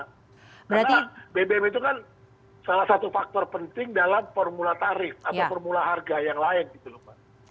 karena bbm itu kan salah satu faktor penting dalam formula tarif atau formula harga yang lain gitu mbak